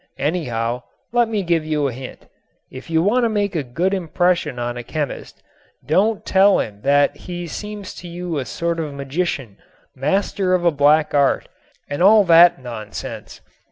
Anyhow, let me give you a hint. If you want to make a good impression on a chemist don't tell him that he seems to you a sort of magician, master of a black art, and all that nonsense.